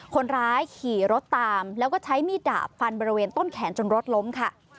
คนร้ายขี่รถตามแล้วก็ใช้มีดดาบฟันบริเวณต้นแขนจนรถล้มค่ะ